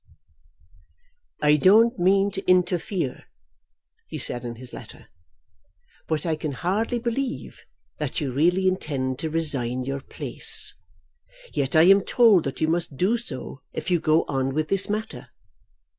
"I don't mean to interfere," he said in his letter, "but I can hardly believe that you really intend to resign your place. Yet I am told that you must do so if you go on with this matter.